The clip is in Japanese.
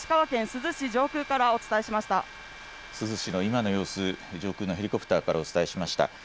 珠洲市の今の様子、上空のヘリコプターからお伝えしました。